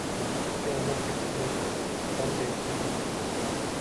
قیامت کے فتنے کو، کم دیکھتے ہیں